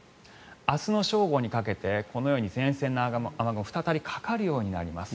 明日の正午にかけてこのように前線の雨雲が再びかかるようになります。